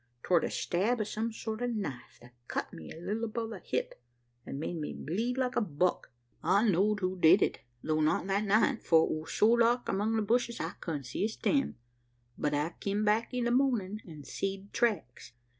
'Twar the stab o' some sort o' a knife, that cut me a leetle above the hip, an' made me bleed like a buck. I know'd who did it; tho' not that night for it war so dark among the bushes, I couldn't see a steim. But I kim back in the mornin', and seed tracks.